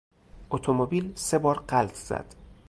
اتومبیل سه بار غلت زد.